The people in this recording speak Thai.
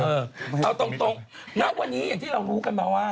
เอาตรงณวันนี้อย่างที่เรารู้กันมาว่า